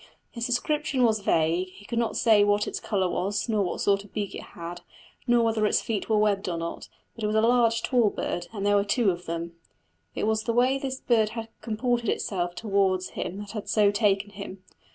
His description was vague; he could not say what its colour was, nor what sort of beak it had, nor whether its feet were webbed or not; but it was a large tall bird, and there were two of them. It was the way this bird had comported itself towards him that had so taken him.